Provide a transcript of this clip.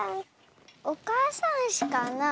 おかあさんうしかな